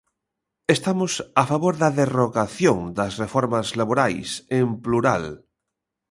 Estamos a favor da derrogación das reformas laborais, en plural.